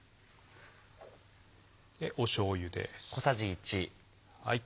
しょうゆです。